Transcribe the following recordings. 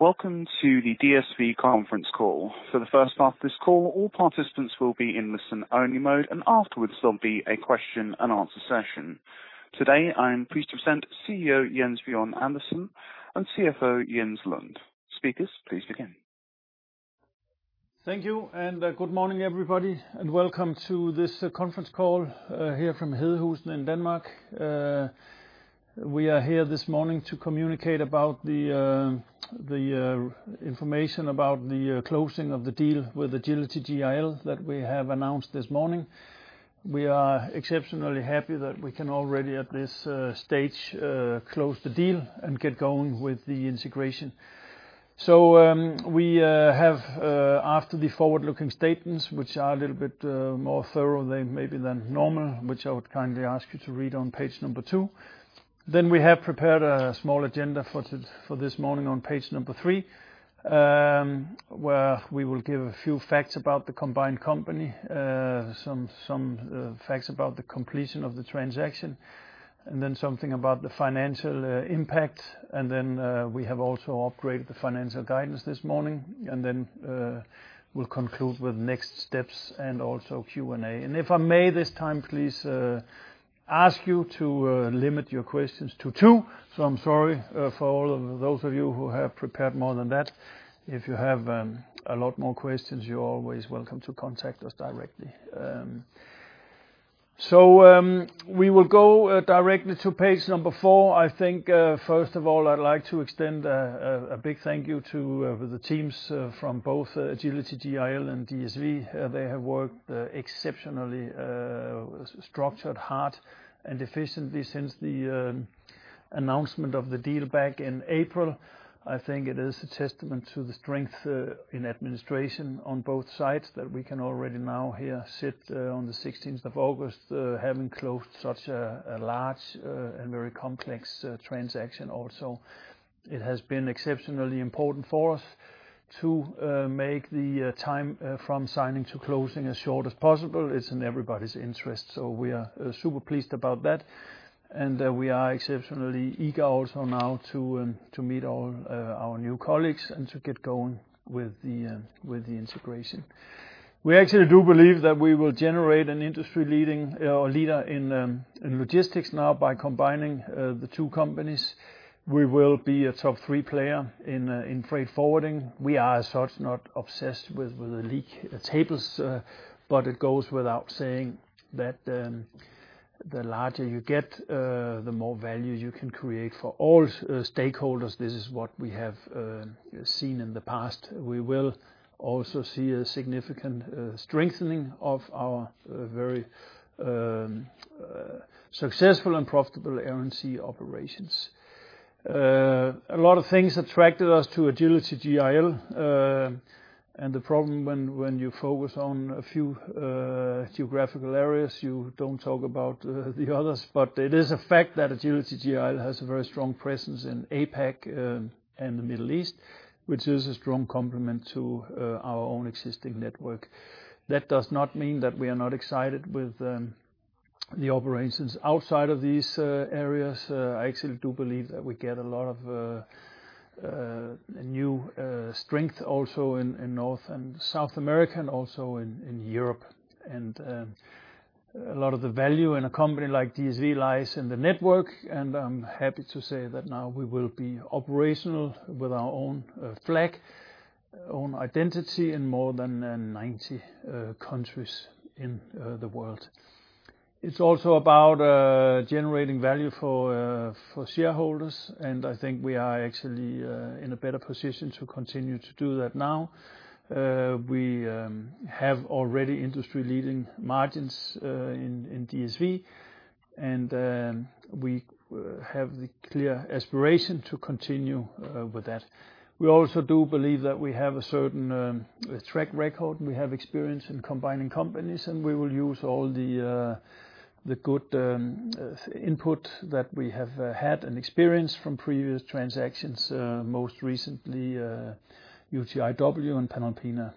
Welcome to the DSV conference call. For the first part of this call, all participants will be in listen-only mode, and afterwards there'll be a question and answer session. Today, I am pleased to present CEO Jens Bjørn Andersen and CFO Jens Lund. Speakers, please begin. Thank you. Good morning, everybody, and welcome to this conference call here from Hedehusene in Denmark. We are here this morning to communicate about the information about the closing of the deal with Agility GIL that we have announced this morning. We are exceptionally happy that we can already at this stage close the deal and get going with the integration. We have, after the forward-looking statements, which are a little bit more thorough maybe than normal, which I would kindly ask you to read on page number two, then we have prepared a small agenda for this morning on page number three, where we will give a few facts about the combined company, some facts about the completion of the transaction, and then something about the financial impact. We have also upgraded the financial guidance this morning, and we'll conclude with next steps and also Q&A. If I may this time please ask you to limit your questions to two. I'm sorry for all of those of you who have prepared more than that. If you have a lot more questions, you're always welcome to contact us directly. We will go directly to page number four. I think, first of all, I'd like to extend a big thank you to the teams from both Agility GIL and DSV. They have worked exceptionally structured, hard, and efficiently since the announcement of the deal back in April. I think it is a testament to the strength in administration on both sides that we can already now here sit on the 16th of August, having closed such a large and very complex transaction also. It has been exceptionally important for us to make the time from signing to closing as short as possible. It's in everybody's interest. We are super pleased about that, and we are exceptionally eager also now to meet all our new colleagues and to get going with the integration. We actually do believe that we will generate an industry leader in logistics now by combining the two companies. We will be a top-three player in freight forwarding. We are as such, not obsessed with the league tables, but it goes without saying that the larger you get, the more value you can create for all stakeholders. This is what we have seen in the past. We will also see a significant strengthening of our very successful and profitable Air & Sea operations. A lot of things attracted us to Agility GIL, and the problem when you focus on a few geographical areas, you don't talk about the others. It is a fact that Agility GIL has a very strong presence in APAC and the Middle East, which is a strong complement to our own existing network. That does not mean that we are not excited with the operations outside of these areas. I actually do believe that we get a lot of new strength also in North and South America and also in Europe. A lot of the value in a company like DSV lies in the network, and I'm happy to say that now we will be operational with our own flag, own identity in more than 90 countries in the world. It's also about generating value for shareholders, and I think we are actually in a better position to continue to do that now. We have already industry-leading margins in DSV, and we have the clear aspiration to continue with that. We also do believe that we have a certain track record, and we have experience in combining companies, and we will use all the good input that we have had and experience from previous transactions, most recently UTIW and Panalpina.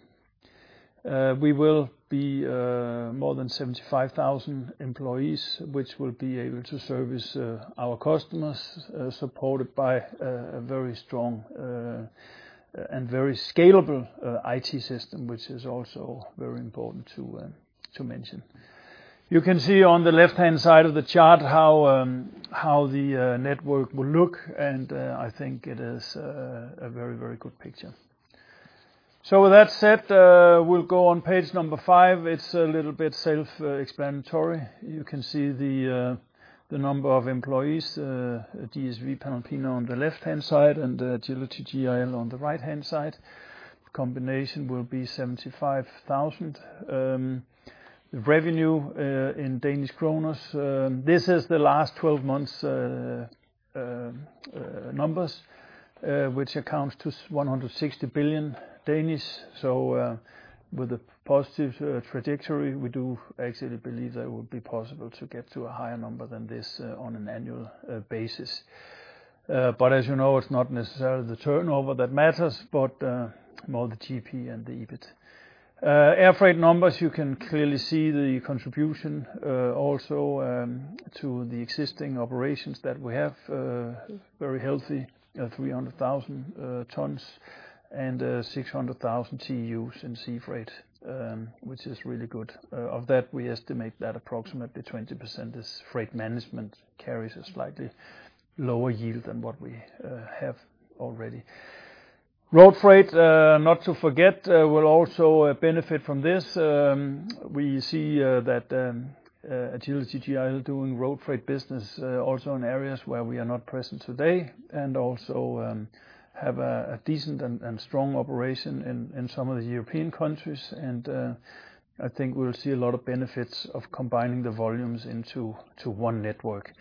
We will be more than 75,000 employees, which will be able to service our customers, supported by a very strong and very scalable IT system, which is also very important to mention. You can see on the left-hand side of the chart how the network will look, and I think it is a very good picture. With that said, we'll go on page number five. It's a little bit self-explanatory. You can see the number of employees, DSV, Panalpina on the left-hand side, and Agility GIL on the right-hand side. Combination will be 75,000. Revenue in DKK. This is the last 12 months numbers, which accounts to 160 billion. With a positive trajectory, we do actually believe that it will be possible to get to a higher number than this on an annual basis. As you know, it's not necessarily the turnover that matters, but more the GP and the EBIT. Air freight numbers, you can clearly see the contribution also to the existing operations that we have, very healthy at 300,000 tons and 600,000 TEUs in sea freight, which is really good. Of that, we estimate that approximately 20% is freight management, carries a slightly lower yield than what we have already. Road freight, not to forget, will also benefit from this. We see that Agility GIL doing road freight business also in areas where we are not present today and also have a decent and strong operation in some of the European countries. I think we'll see a lot of benefits of combining the volumes into one network.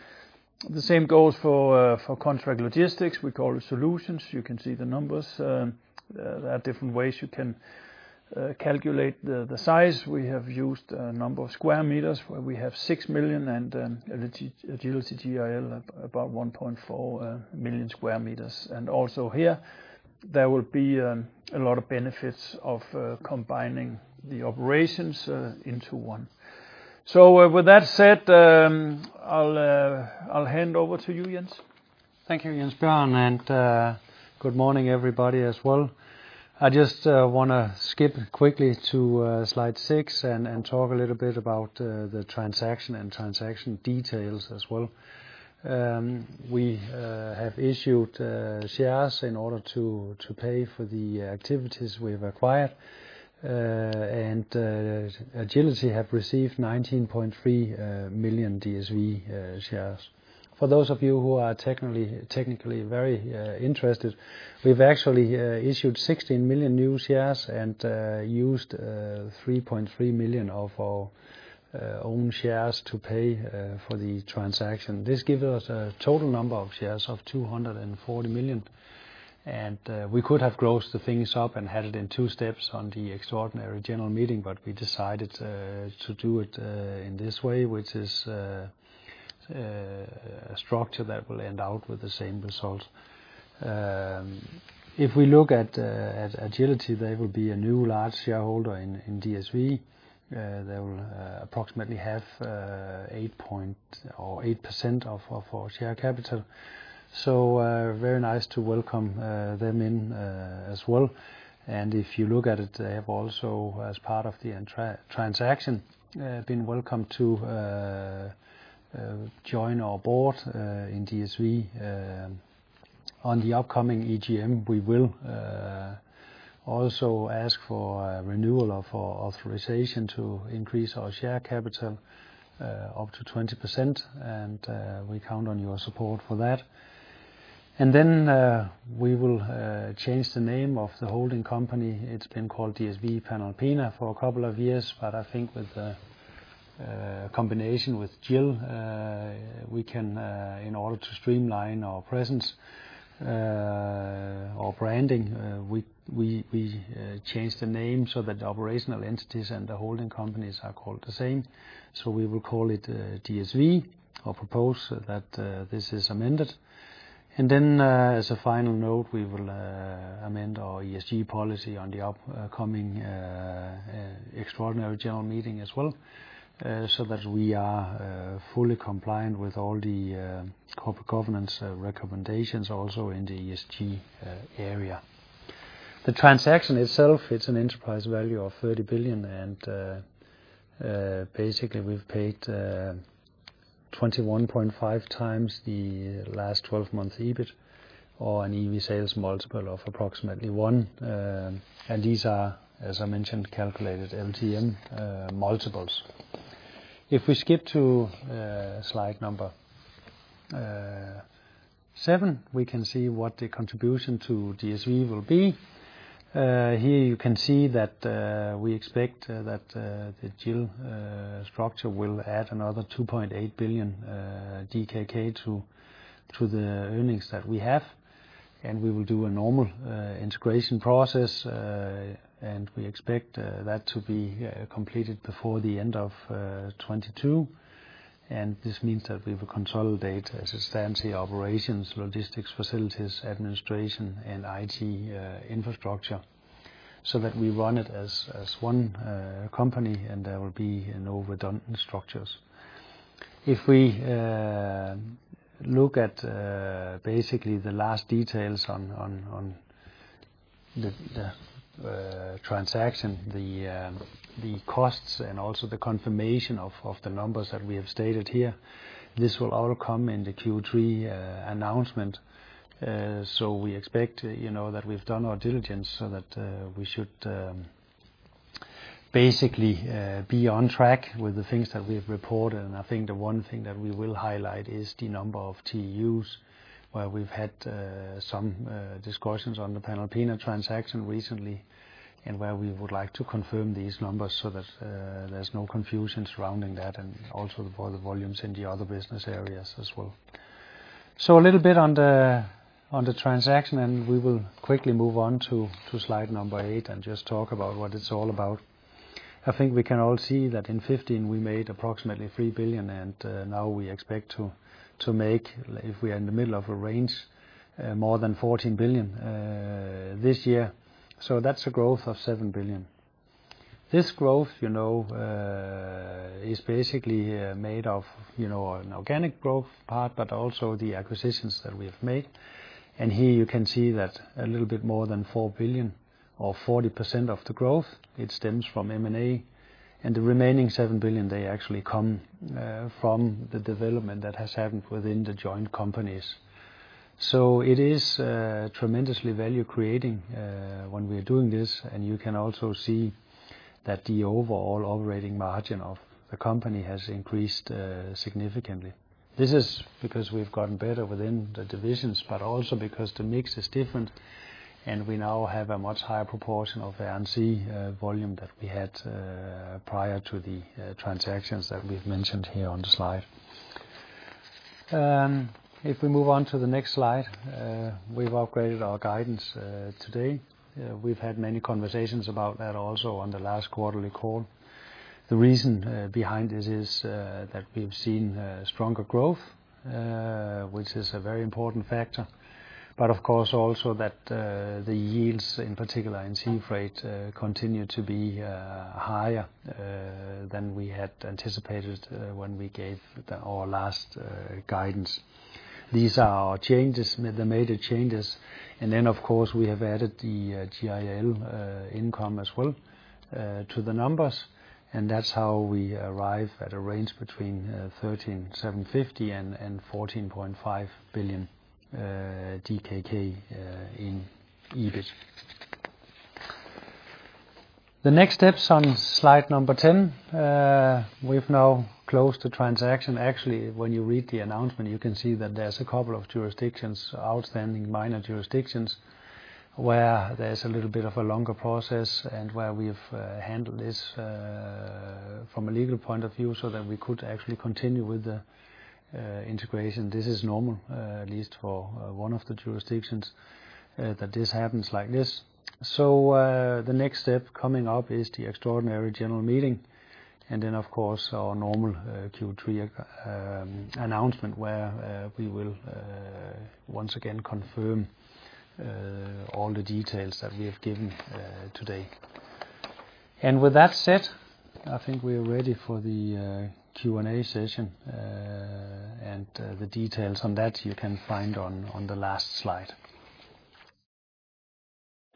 The same goes for contract logistics. We call it solutions. You can see the numbers. There are different ways you can calculate the size. We have used a number of square meters, where we have 6 million and Agility GIL about 1.4 million sq m. Also here, there will be a lot of benefits of combining the operations into one. With that said, I'll hand over to you, Jens. Thank you, Jens Bjørn. Good morning everybody as well. I just want to skip quickly to slide six and talk a little bit about the transaction and transaction details as well. We have issued shares in order to pay for the activities we've acquired. Agility have received 19.3 million DSV shares. For those of you who are technically very interested, we've actually issued 16 million new shares and used 3.3 million of our own shares to pay for the transaction. This gives us a total number of shares of 240 million. We could have grossed the things up and had it in two steps on the extraordinary general meeting. We decided to do it in this way, which is a structure that will end out with the same result. If we look at Agility, they will be a new large shareholder in DSV. They will approximately have 8% of our share capital. Very nice to welcome them in as well. If you look at it, they have also, as part of the transaction, been welcome to join our board in DSV. On the upcoming EGM, we will also ask for a renewal of our authorization to increase our share capital up to 20%, and we count on your support for that. We will change the name of the holding company. It's been called DSV Panalpina for a couple of years, but I think with the combination with GIL, we can, in order to streamline our presence, our branding, we change the name so that the operational entities and the holding companies are called the same. We will call it DSV or propose that this is amended. As a final note, we will amend our ESG policy on the upcoming extraordinary general meeting as well, so that we are fully compliant with all the corporate governance recommendations also in the ESG area. The transaction itself, it's an enterprise value of 30 billion, and basically we've paid 21.5x the last 12-month EBIT or an EV sales multiple of approximately 1. These are, as I mentioned, calculated LTM multiples. If we skip to slide number seven, we can see what the contribution to DSV will be. Here you can see that we expect that the GIL structure will add another 2.8 billion DKK to the earnings that we have, and we will do a normal integration process. We expect that to be completed before the end of 2022. This means that we will consolidate the operations, logistics facilities, administration, and IT infrastructure, so that we run it as one company and there will be no redundant structures. If we look at basically the last details on the transaction, the costs, and also the confirmation of the numbers that we have stated here, this will all come in the Q3 announcement. We expect that we've done our diligence so that we should basically be on track with the things that we've reported, and I think the one thing that we will highlight is the number of TEUs, where we've had some discussions on the Panalpina transaction recently and where we would like to confirm these numbers so that there's no confusion surrounding that and also for the volumes in the other business areas as well. A little bit on the transaction, we will quickly move on to slide eight and just talk about what it's all about. I think we can all see that in 2015, we made approximately 3 billion, now we expect to make, if we are in the middle of a range, more than 14 billion this year. That's a growth of 7 billion. This growth is basically made of an organic growth part, but also the acquisitions that we have made. Here you can see that a little bit more than 4 billion or 40% of the growth, it stems from M&A, the remaining 7 billion, they actually come from the development that has happened within the joint companies. It is tremendously value-creating when we are doing this, you can also see that the overall operating margin of the company has increased significantly. This is because we've gotten better within the divisions, but also because the mix is different and we now have a much higher proportion of Air & Sea volume than we had prior to the transactions that we've mentioned here on the slide. We move on to the next slide, we've upgraded our guidance today. We've had many conversations about that also on the last quarterly call. The reason behind this is that we've seen stronger growth, which is a very important factor. Of course, also that the yields, in particular in sea freight, continue to be higher than we had anticipated when we gave our last guidance. These are our changes, the major changes. Then, of course, we have added the GIL income as well to the numbers, and that's how we arrive at a range between 13,750 and 14.5 billion DKK in EBIT. The next steps on slide number 10. Actually, when you read the announcement, you can see that there's a couple of jurisdictions, outstanding minor jurisdictions, where there's a little bit of a longer process and where we've handled this from a legal point of view so that we could actually continue with the integration. This is normal, at least for one of the jurisdictions, that this happens like this. The next step coming up is the extraordinary general meeting, then, of course, our normal Q3 announcement where we will once again confirm all the details that we have given today. With that said, I think we are ready for the Q&A session, and the details on that you can find on the last slide.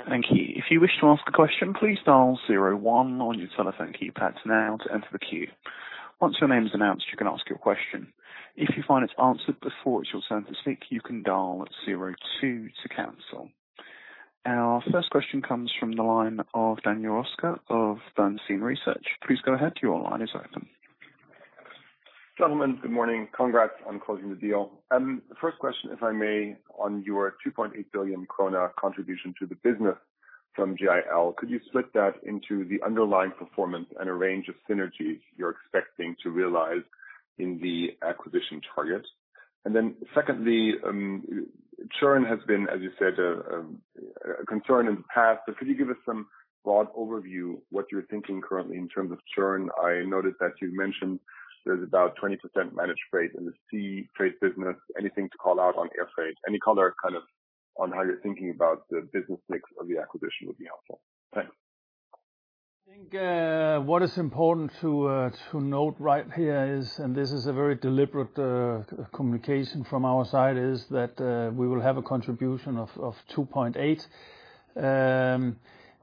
Thank you. If you wish to ask a question, please dial zero one on your telephone keypad now to enter the queue. Once your name's announced, you can ask your question. If you find it's answered before it's your turn to speak, you can dial zero two to cancel. Our first question comes from the line of Daniel Roeska of Bernstein Research. Please go ahead. Your line is open. Gentlemen, good morning. Congrats on closing the deal. First question, if I may, on your 2.8 billion krone contribution to the business from GIL. Could you split that into the underlying performance and a range of synergies you're expecting to realize in the acquisition target? Secondly, churn has been, as you said, a concern in the past, but could you give us some broad overview what you're thinking currently in terms of churn? I noticed that you mentioned there's about 20% managed freight in the sea freight business. Anything to call out on air freight? Any color kind of on how you're thinking about the business mix of the acquisition would be helpful. Thanks. I think what is important to note right here is, and this is a very deliberate communication from our side, is that we will have a contribution of 2.8.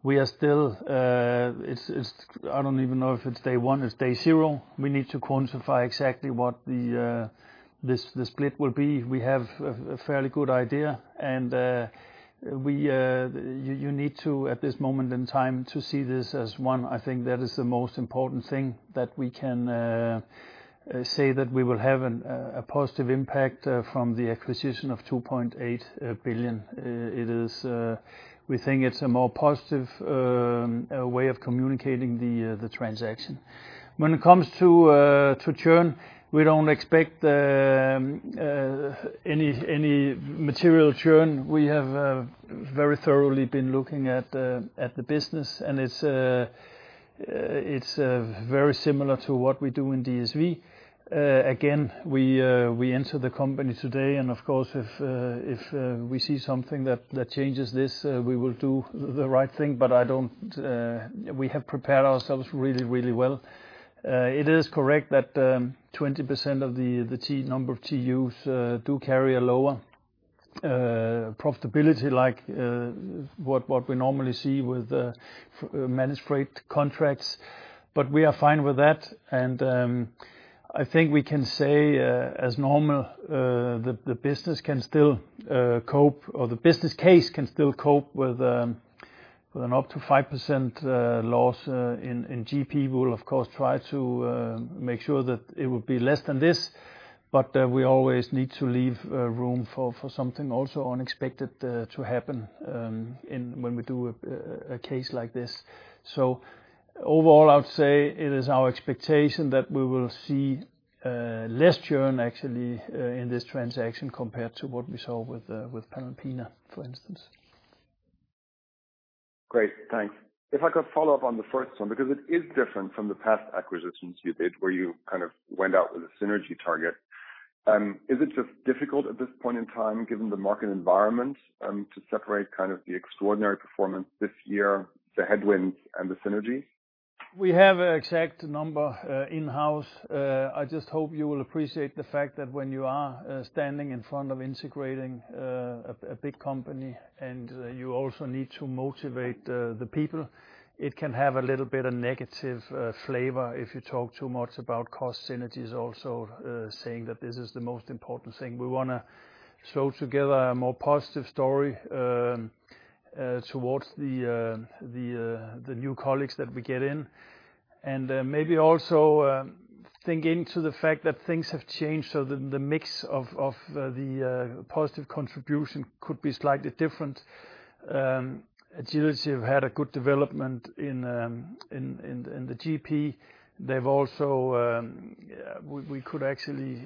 We are still, I don't even know if it's day one, it's day zero. We need to quantify exactly what the split will be. We have a fairly good idea and you need to, at this moment in time, to see this as one. I think that is the most important thing that we can say that we will have a positive impact from the acquisition of 2.8 billion. We think it's a more positive way of communicating the transaction. When it comes to churn, we don't expect any material churn. We have very thoroughly been looking at the business, and it's very similar to what we do in DSV. We enter the company today, and of course, if we see something that changes this, we will do the right thing, but we have prepared ourselves really, really well. It is correct that 20% of the number of TEUs do carry a lower profitability, like what we normally see with managed freight contracts, but we are fine with that. I think we can say, as normal, the business can still cope, or the business case can still cope with an up to 5% loss in GP. We'll of course, try to make sure that it will be less than this, but we always need to leave room for something also unexpected to happen when we do a case like this. Overall, I would say it is our expectation that we will see less churn actually, in this transaction compared to what we saw with Panalpina, for instance. Great. Thanks. If I could follow up on the first one, because it is different from the past acquisitions you did, where you went out with a synergy target. Is it just difficult at this point in time, given the market environment, to separate the extraordinary performance this year, the headwinds, and the synergy? We have an exact number in-house. I just hope you will appreciate the fact that when you are standing in front of integrating a big company and you also need to motivate the people, it can have a little bit of negative flavor if you talk too much about cost synergies also, saying that this is the most important thing. We want to sew together a more positive story towards the new colleagues that we get in. Maybe also think into the fact that things have changed, so the mix of the positive contribution could be slightly different. Agility have had a good development in the GP. We could actually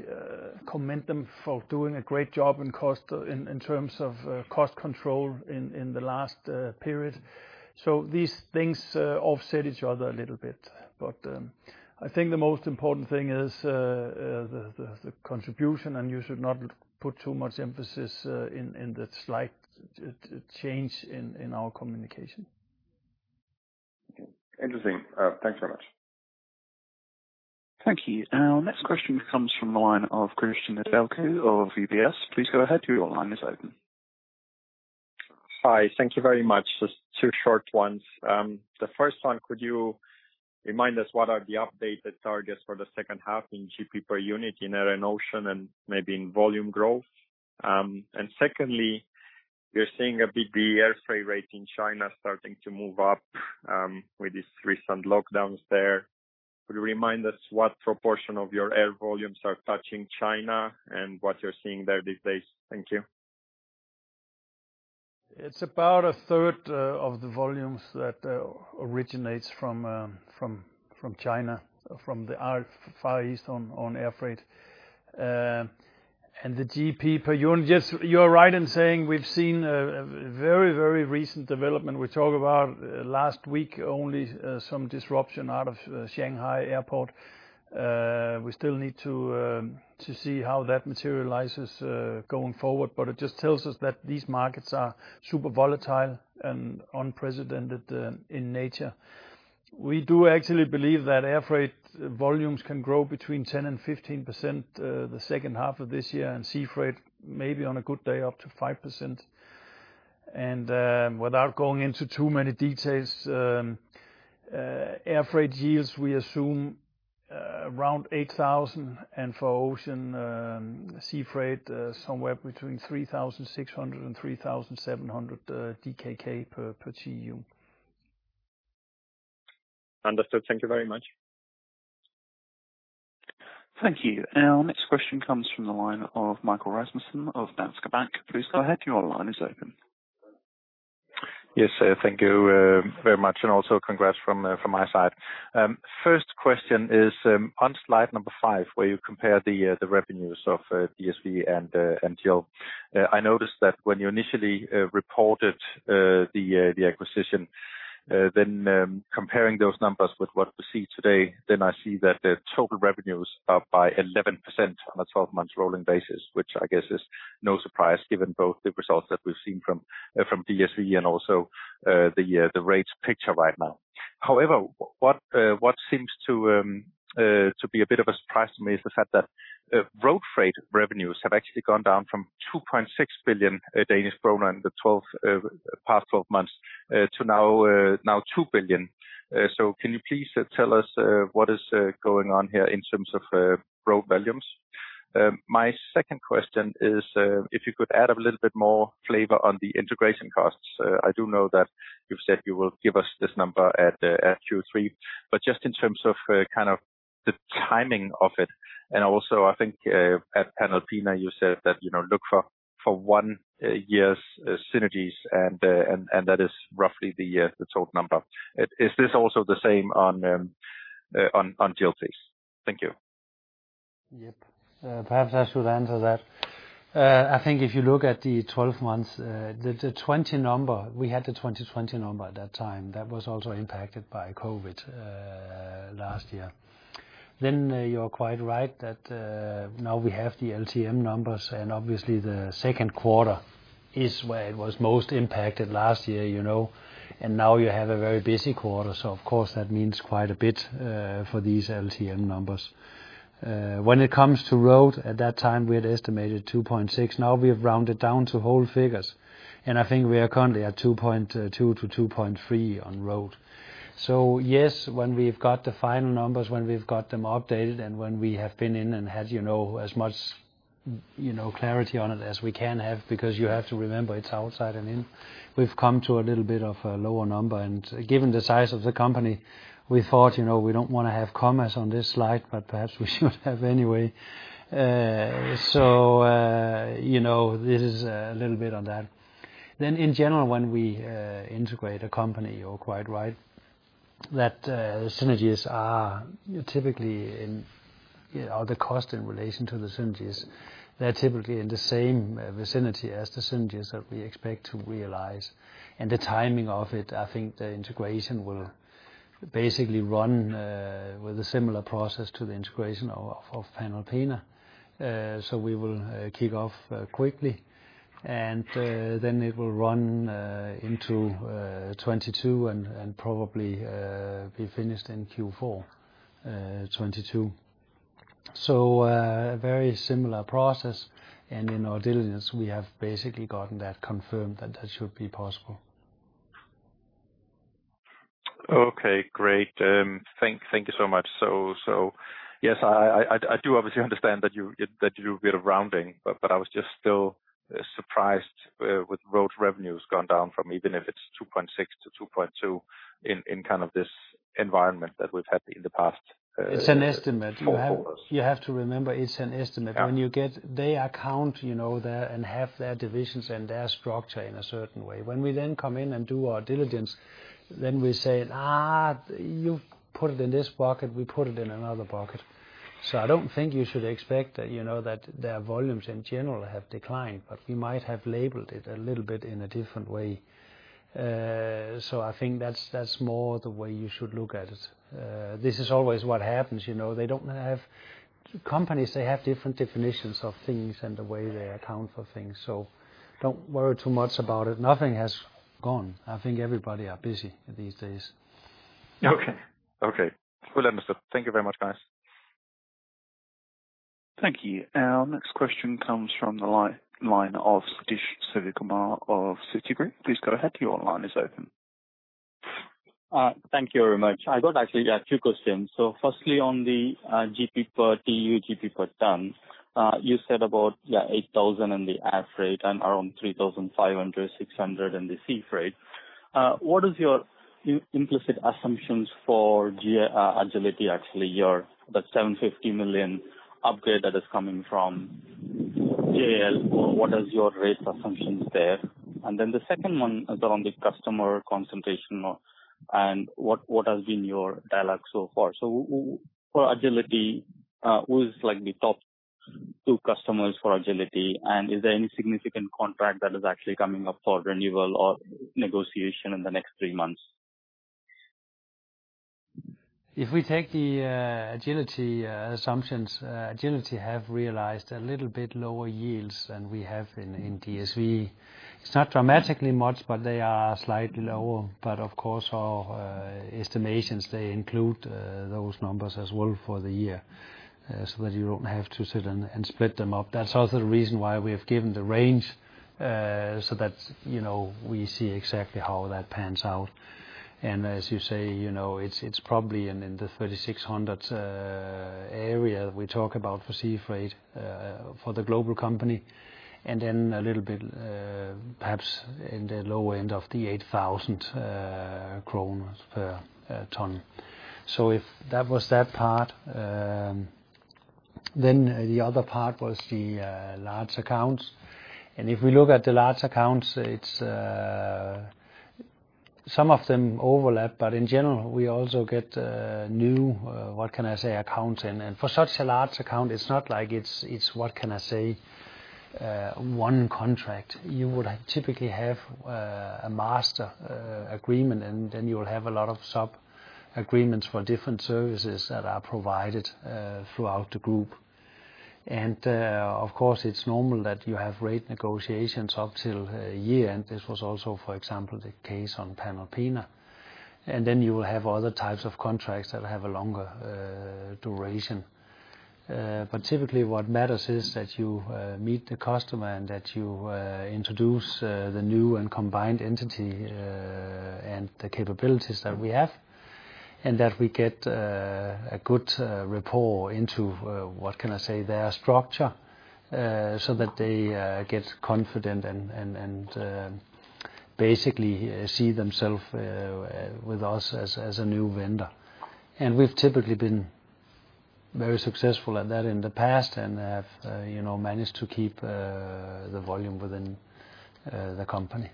commend them for doing a great job in terms of cost control in the last period. These things offset each other a little bit. I think the most important thing is the contribution, and you should not put too much emphasis in the slight change in our communication. Interesting. Thanks very much. Thank you. Our next question comes from the line of Cristian Nedelcu of UBS. Please go ahead, your line is open. Hi. Thank you very much. Just two short ones. The first one, could you remind us what are the updated targets for the second half in GP per unit in Air & Sea, and maybe in volume growth? Secondly, we're seeing a big air freight rate in China starting to move up with these recent lockdowns there. Could you remind us what proportion of your air volumes are touching China and what you're seeing there these days? Thank you. It's about a third of the volumes that originates from China, from the Far East on air freight. The GP per unit, yes, you're right in saying we've seen a very recent development. We talk about last week only, some disruption out of Shanghai Airport. We still need to see how that materializes going forward. It just tells us that these markets are super volatile and unprecedented in nature. We do actually believe that air freight volumes can grow between 10%-15% the second half of this year, and sea freight, maybe on a good day, up to 5%. Without going into too many details, air freight yields, we assume around 8,000, and for ocean sea freight, somewhere between 3,600-3,700 DKK per TEU. Understood. Thank you very much. Thank you. Our next question comes from the line of Michael Rasmussen of Danske Bank. Please go ahead, your line is open. Yes, thank you very much. Also congrats from my side. First question is on slide number five, where you compare the revenues of DSV and GIL. I noticed that when you initially reported the acquisition, then comparing those numbers with what we see today, then I see that the total revenues are up by 11% on a 12-month rolling basis, which I guess is no surprise given both the results that we've seen from DSV and also the rates picture right now. What seems to be a bit of a surprise to me is the fact that road freight revenues have actually gone down from 2.6 billion Danish kroner in the past 12 months to now 2 billion. Can you please tell us what is going on here in terms of road volumes? My second question is if you could add a little bit more flavor on the integration costs. I do know that you've said you will give us this number at Q3, but just in terms of the timing of it, and also, I think at Panalpina, you said that look for one year's synergies, and that is roughly the total number. Is this also the same on GIL? Thank you. Yep. Perhaps I should answer that. I think if you look at the 12 months, we had the 2020 number at that time. That was also impacted by COVID last year. You're quite right that now we have the LTM numbers, and obviously the second quarter is where it was most impacted last year. Now you have a very busy quarter, of course, that means quite a bit for these LTM numbers. When it comes to road, at that time, we had estimated 2.6. Now we have rounded down to whole figures, I think we are currently at 2.2-2.3 on road. Yes, when we've got the final numbers, when we've got them updated, when we have been in and had as much clarity on it as we can have, because you have to remember, it's outside and in. We've come to a little bit of a lower number. Given the size of the company, we thought we don't want to have commas on this slide, but perhaps we should have anyway. This is a little bit on that. In general, when we integrate a company, you're quite right. That synergies are typically in the cost in relation to the synergies. They're typically in the same vicinity as the synergies that we expect to realize. The timing of it, I think the integration will basically run with a similar process to the integration of Panalpina. We will kick off quickly, and then it will run into 2022 and probably be finished in Q4 2022. A very similar process. In our diligence, we have basically gotten that confirmed that that should be possible. Okay, great. Thank you so much. Yes, I do obviously understand that you did a bit of rounding, but I was just still surprised with road revenues gone down from even if it's 2.6-2.2 in this environment that we've had in the past. It's an estimate. four quarters. You have to remember, it's an estimate. Yeah. They account and have their divisions and their structure in a certain way. When we then come in and do our diligence, then we say, "You put it in this pocket, we put it in another pocket." I don't think you should expect that their volumes in general have declined, but we might have labeled it a little bit in a different way. I think that's more the way you should look at it. This is always what happens. Companies, they have different definitions of things and the way they account for things. Don't worry too much about it. Nothing has gone. I think everybody are busy these days. Okay. Well understood. Thank you very much, guys. Thank you. Our next question comes from the line of Sathish Sivakumar of Citigroup. Please go ahead, your line is open. Thank you very much. I got actually, yeah, two questions. Firstly, on the GP per TEU, GP per ton. You said about, yeah, 8,000 in the air freight and around 3,500, 600 in the sea freight. What is your implicit assumptions for Agility, actually, that 750 million upgrade that is coming from GIL? What is your rate assumptions there? The second one is around the customer concentration and what has been your dialogue so far? For Agility, who is the top two customers for Agility? Is there any significant contract that is actually coming up for renewal or negotiation in the next three months? If we take the Agility assumptions, Agility have realized a little bit lower yields than we have in DSV. It's not dramatically much, but they are slightly lower. Of course, our estimations, they include those numbers as well for the year, so that you don't have to sit and split them up. That's also the reason why we have given the range, so that we see exactly how that pans out. As you say, it's probably in the 3,600 area we talk about for sea freight for the global company, and then a little bit, perhaps in the lower end of the 8,000 kroner per ton. That was that part. The other part was the large accounts. If we look at the large accounts, some of them overlap, but in general, we also get new, what can I say, accounts in. For such a large account, it's not like it's, what can I say, one contract. You would typically have a master agreement, and then you'll have a lot of sub-agreements for different services that are provided throughout the group. Of course, it's normal that you have rate negotiations up till a year, and this was also, for example, the case on Panalpina. Then you will have other types of contracts that have a longer duration. Typically, what matters is that you meet the customer and that you introduce the new and combined entity, and the capabilities that we have, and that we get a good rapport into, what can I say, their structure, so that they get confident and basically see themself with us as a new vendor. We've typically been very successful at that in the past and have managed to keep the volume within the company.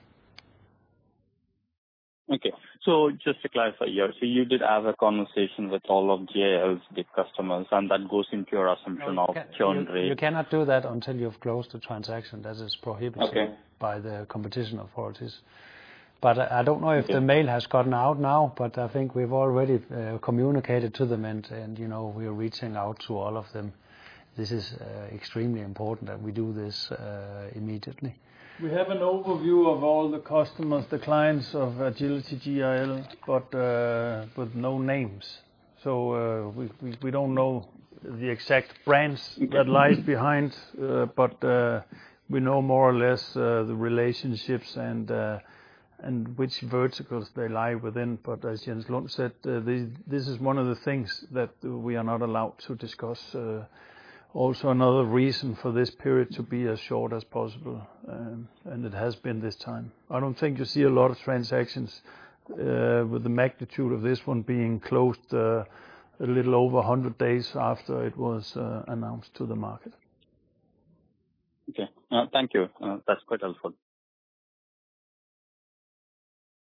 Okay. Just to clarify here, so you did have a conversation with all of GIL's big customers, and that goes into your assumption of current rate? You cannot do that until you've closed the transaction. That is prohibited by the competition authorities. I don't know if the mail has gotten out now, but I think we've already communicated to them and we are reaching out to all of them. This is extremely important that we do this immediately. We have an overview of all the customers, the clients of Agility GIL, but no names. We don't know the exact brands that lie behind. We know more or less, the relationships and which verticals they lie within. As Jens Lund said, this is one of the things that we are not allowed to discuss. Another reason for this period to be as short as possible, and it has been this time. I don't think you see a lot of transactions with the magnitude of this one being closed a little over 100 days after it was announced to the market. Okay. Thank you. That's quite helpful.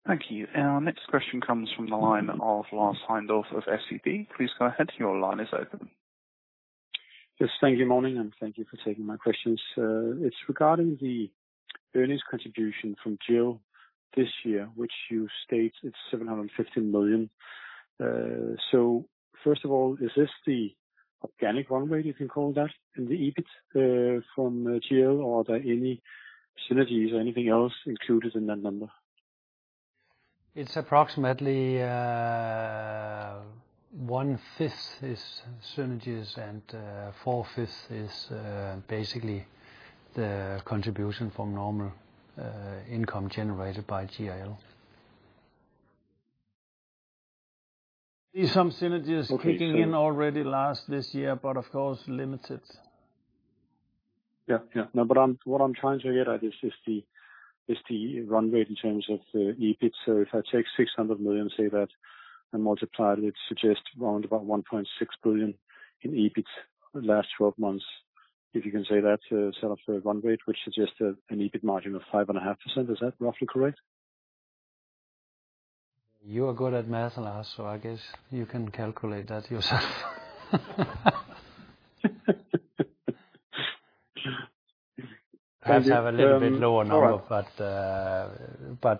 Thank you. Our next question comes from the line of Lars Heindorff of SEB. Please go ahead. Yes, thank you, morning, and thank you for taking my questions. It's regarding the earnings contribution from GIL this year, which you state it's 750 million. First of all, is this the organic run rate you can call that in the EBIT, from GIL, or are there any synergies or anything else included in that number? It's approximately 1/5 is synergies and 4/5 basically the contribution from normal income generated by GIL. Okay. -kicking in already last this year, but of course, limited. Yeah. No, what I’m trying to get at is just the run rate in terms of the EBIT. If I take 600 million, say that, and multiply, it would suggest around about 1.6 billion in EBIT last 12 months, if you can say that’s a run rate, which suggests an EBIT margin of 5.5%. Is that roughly correct? You are good at math, Lars, so I guess you can calculate that yourself. Perhaps have a little bit lower number. All right.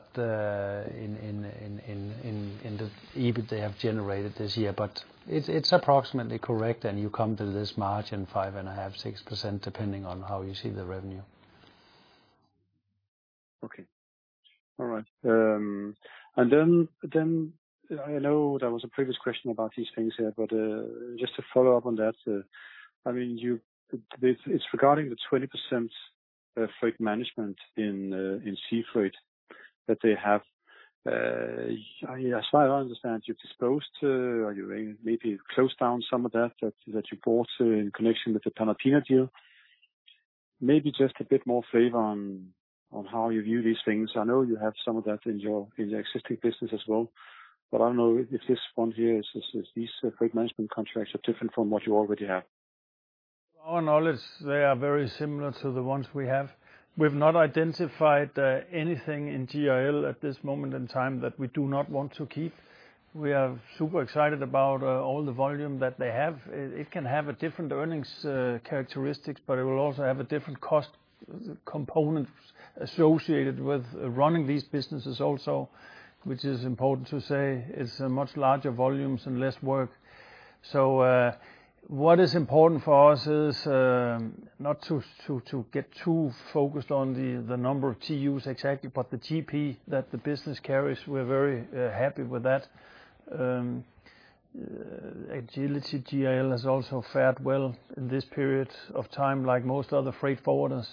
In the EBIT they have generated this year. It's approximately correct, and you come to this margin, 5.5%-6%, depending on how you see the revenue. Okay. All right. I know there was a previous question about these things here, but just to follow up on that. It's regarding the 20% freight management in Sea Freight that they have. As far as I understand, you've disposed, or you maybe closed down some of that you bought in connection with the Panalpina deal. Maybe just a bit more flavor on how you view these things. I know you have some of that in your existing business as well, but I don't know if this one here, these freight management contracts are different from what you already have. To our knowledge, they are very similar to the ones we have. We've not identified anything in GIL at this moment in time that we do not want to keep. We are super excited about all the volume that they have. It can have a different earnings characteristics, but it will also have a different cost component associated with running these businesses also, which is important to say. It's much larger volumes and less work. What is important for us is not to get too focused on the number of TEUs exactly, but the GP that the business carries, we're very happy with that. Agility GIL has also fared well in this period of time, like most other freight forwarders.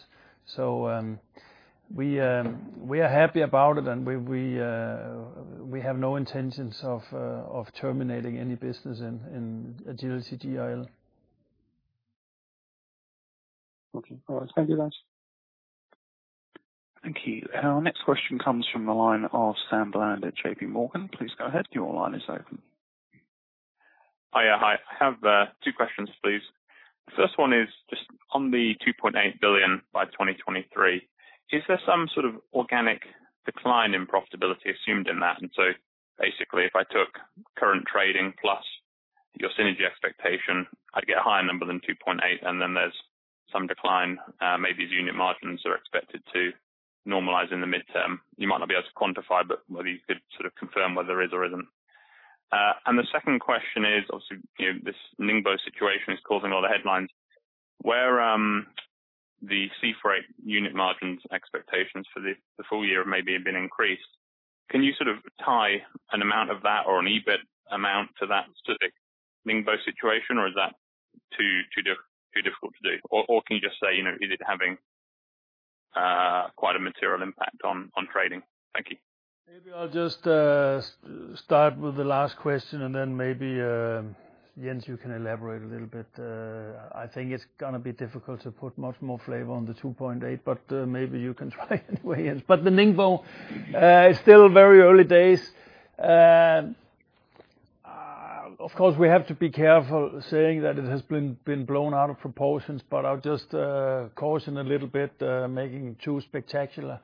We are happy about it, and we have no intentions of terminating any business in Agility GIL. Okay. All right. Thank you, Lars. Thank you. Our next question comes from the line of Sam Bland at JPMorgan. Please go ahead. Hi. I have two questions, please. The first one is just on the 2.8 billion by 2023. Is there some sort of organic decline in profitability assumed in that? Basically, if I took current trading plus your synergy expectation, I'd get a higher number than 2.8, and then there's some decline. Maybe these unit margins are expected to normalize in the midterm. You might not be able to quantify, but whether you could sort of confirm whether there is or isn't. The second question is, obviously, this Ningbo situation is causing all the headlines. Where the Sea Freight unit margins expectations for the full year maybe have been increased. Can you sort of tie an amount of that or an EBIT amount to that specific Ningbo situation? Is that too difficult to do? Can you just say, is it having quite a material impact on trading? Thank you. Maybe I'll just start with the last question, and then maybe, Jens, you can elaborate a little bit. I think it's going to be difficult to put much more flavor on the 2.8, but maybe you can try anyway, Jens. The Ningbo is still very early days. Of course, we have to be careful saying that it has been blown out of proportions, but I'll just caution a little bit, making too spectacular.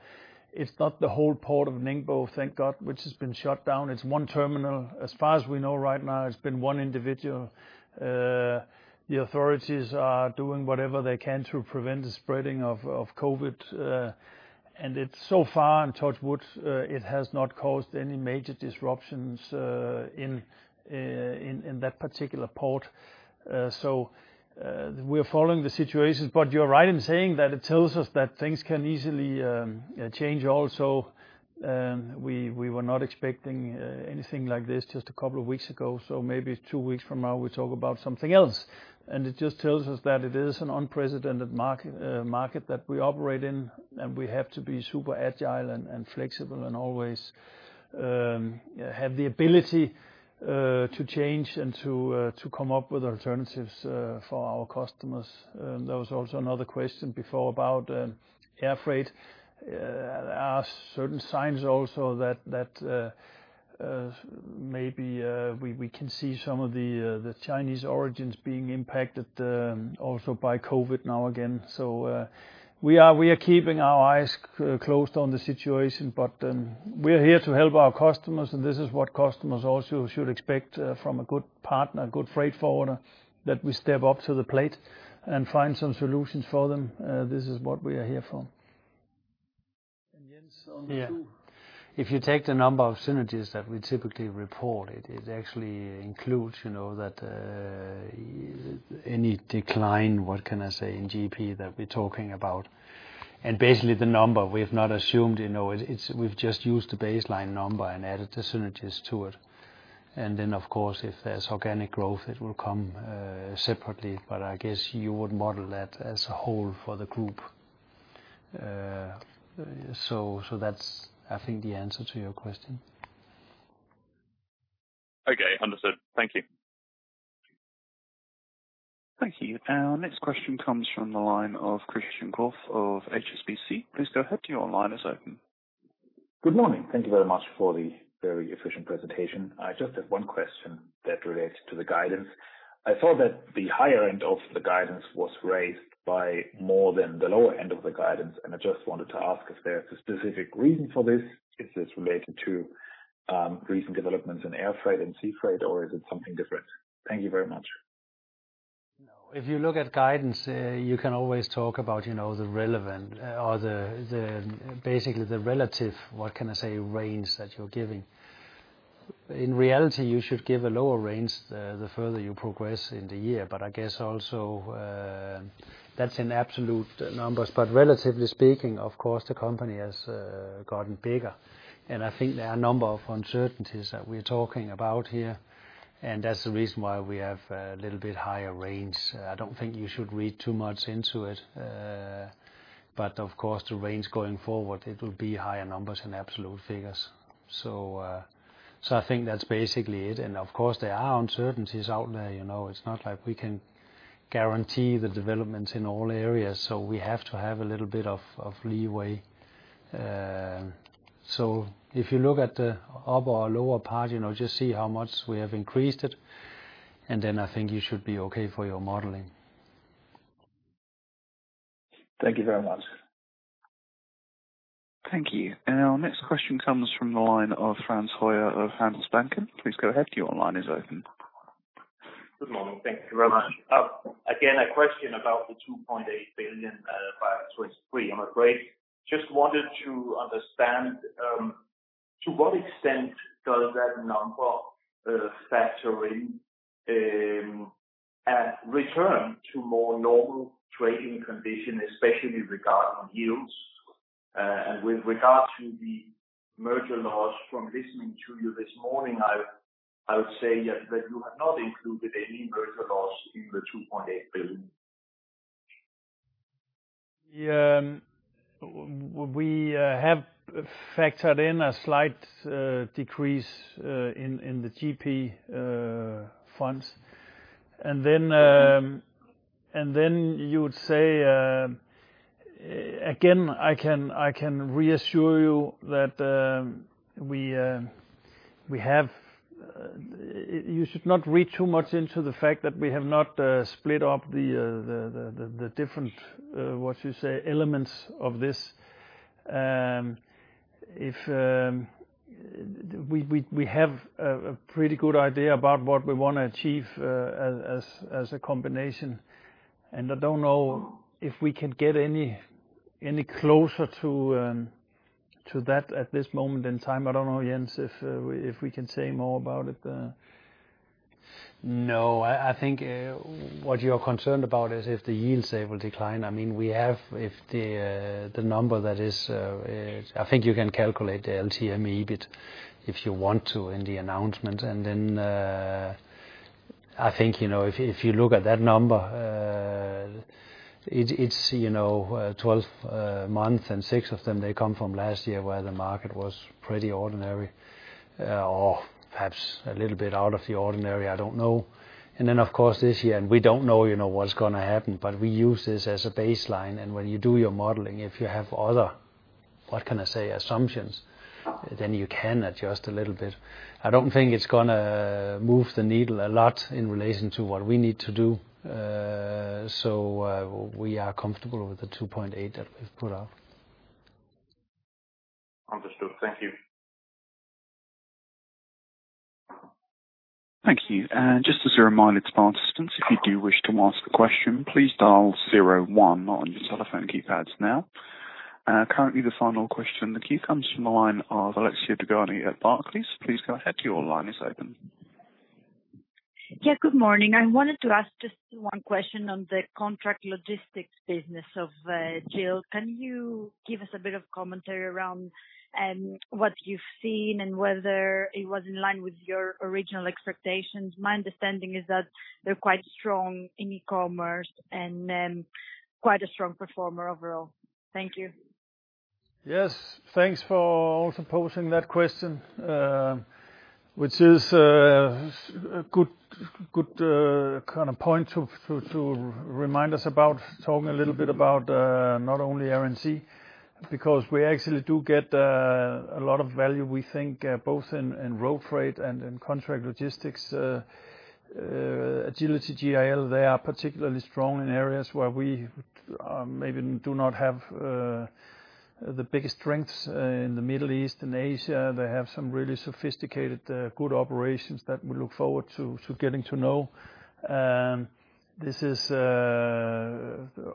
It's not the whole port of Ningbo, thank God, which has been shut down. It's one terminal. As far as we know right now, it's been one individual. The authorities are doing whatever they can to prevent the spreading of COVID. So far, and touch wood, it has not caused any major disruptions in that particular port. We are following the situations, but you're right in saying that it tells us that things can easily change also. We were not expecting anything like this just a couple of weeks ago, maybe two weeks from now, we talk about something else. It just tells us that it is an unprecedented market that we operate in, and we have to be super agile and flexible and always have the ability to change and to come up with alternatives for our customers. There was also another question before about air freight. There are certain signs also that, maybe we can see some of the Chinese origins being impacted also by COVID now again. We are keeping our eyes closed on the situation, but we are here to help our customers, and this is what customers also should expect from a good partner, a good freight forwarder, that we step up to the plate and find some solutions for them. This is what we are here for. Jens, on the two. Yeah. If you take the number of synergies that we typically report, it actually includes any decline, what can I say, in GP that we're talking about. Basically the number, we have not assumed. We've just used the baseline number and added the synergies to it. Then, of course, if there's organic growth, it will come separately. I guess you would model that as a whole for the group. That's, I think, the answer to your question. Okay, understood. Thank you. Thank you. Our next question comes from the line of [Christian Fangmann] of HSBC. Please go ahead. Your line is open. Good morning. Thank you very much for the very efficient presentation. I just have one question that relates to the guidance. I saw that the higher end of the guidance was raised by more than the lower end of the guidance, and I just wanted to ask if there's a specific reason for this. Is this related to recent developments in air freight and sea freight, or is it something different? Thank you very much. No. If you look at guidance, you can always talk about the relevant or basically the relative, what can I say, range that you're giving. In reality, you should give a lower range the further you progress in the year. I guess also that's in absolute numbers, but relatively speaking, of course, the company has gotten bigger. I think there are a number of uncertainties that we're talking about here, and that's the reason why we have a little bit higher range. I don't think you should read too much into it. Of course, the range going forward, it will be higher numbers and absolute figures. I think that's basically it. Of course, there are uncertainties out there. It's not like we can guarantee the developments in all areas, so we have to have a little bit of leeway. If you look at the upper or lower part, just see how much we have increased it, and then I think you should be okay for your modeling. Thank you very much. Thank you. Our next question comes from the line of Frans Høyer of Handelsbanken. Good morning. Thank you very much. Again, a question about the 2.8 billion by 2023. I just wanted to understand, to what extent does that number factor in a return to more normal trading condition, especially regarding yields? With regard to the merger loss from listening to you this morning, I would say that you have not included any merger loss in the DKK 2.8 billion. We have factored in a slight decrease in the GP funds. You would say, again, I can reassure you that you should not read too much into the fact that we have not split up the different, what you say, elements of this. We have a pretty good idea about what we want to achieve as a combination, and I don't know if we can get any closer to that at this moment in time. I don't know, Jens, if we can say more about it. No. I think what you're concerned about is if the yields will decline. I think you can calculate the LTM EBIT if you want to in the announcement. Then, I think, if you look at that number, it's 12 months and six of them, they come from last year where the market was pretty ordinary or perhaps a little bit out of the ordinary, I don't know. Then, of course, this year, and we don't know what's going to happen, but we use this as a baseline, and when you do your modeling, if you have other, what can I say, assumptions, then you can adjust a little bit. I don't think it's going to move the needle a lot in relation to what we need to do. We are comfortable with the 2.8 that we've put up. Understood. Thank you. Thank you. Just as a reminder to participants, if you do wish to ask a question, please dial zero one on your telephone keypads now. Currently, the final question in the queue comes from the line of Alexia Dogani at Barclays. Please go ahead. Your line is open. Yeah, good morning. I wanted to ask just one question on the contract logistics business of GIL. Can you give us a bit of commentary around what you've seen and whether it was in line with your original expectations? My understanding is that they're quite strong in e-commerce and quite a strong performer overall. Thank you. Yes. Thanks for also posing that question, which is a good point to remind us about talking a little bit about not only Air & Sea, because we actually do get a lot of value, we think, both in road freight and in contract logistics. Agility, GIL, they are particularly strong in areas where we maybe do not have the biggest strengths. In the Middle East and Asia, they have some really sophisticated, good operations that we look forward to getting to know. This is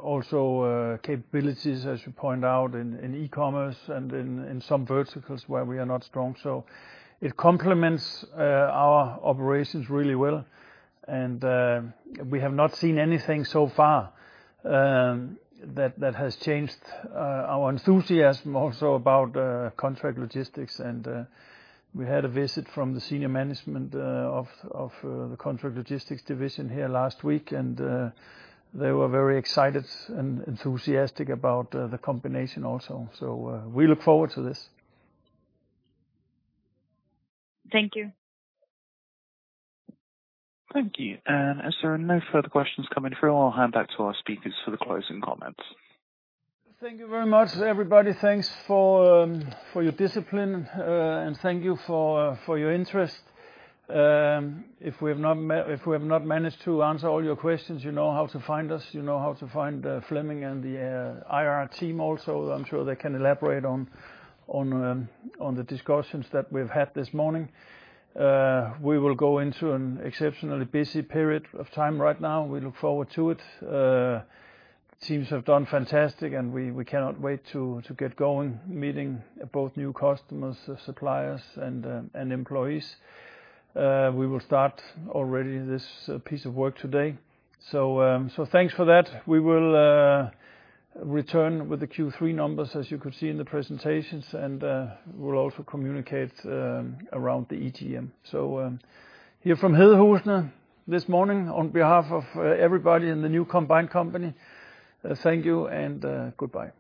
also capabilities, as you point out, in e-commerce and in some verticals where we are not strong. It complements our operations really well, and we have not seen anything so far that has changed our enthusiasm also about contract logistics. We had a visit from the senior management of the contract logistics division here last week, and they were very excited and enthusiastic about the combination also. We look forward to this. Thank you. Thank you. As there are no further questions coming through, I'll hand back to our speakers for the closing comments. Thank you very much, everybody. Thanks for your discipline, and thank you for your interest. If we have not managed to answer all your questions, you know how to find us. You know how to find Flemming and the IR team also. I'm sure they can elaborate on the discussions that we've had this morning. We will go into an exceptionally busy period of time right now. We look forward to it. Teams have done fantastic, and we cannot wait to get going, meeting both new customers, suppliers, and employees. We will start already this piece of work today. Thanks for that. Here from Hedehusene this morning, on behalf of everybody in the new combined company, thank you and goodbye.